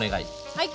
はい。